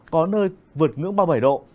có nơi vượt ngưỡng ba mươi bảy độ